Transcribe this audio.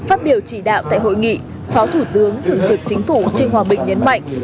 phát biểu chỉ đạo tại hội nghị phó thủ tướng thưởng trực chính phủ trương hoàng bình nhấn mạnh